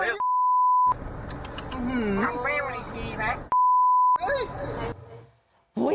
มันไม่กรอดรูปเลย